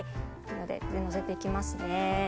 上にのせて行きますね。